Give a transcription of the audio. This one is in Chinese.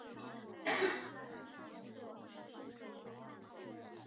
银汉鱼目为辐鳍鱼纲的其中一目。